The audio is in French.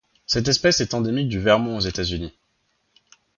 Cette espèce est endémique du Vermont aux États-Unis.